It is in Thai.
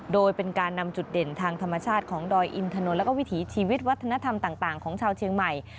โดยเป็นการนำจุดเด่นทางธรรมชาติของดอยอินถนนและวิถีชีวิตวัฒนธรรมต่างของชาวเชียงใหม่